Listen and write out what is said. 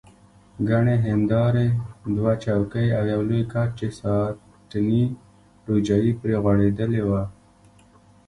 ګڼې هندارې، دوه چوکۍ او یو لوی کټ چې ساټني روجایې پرې غوړېدلې وه.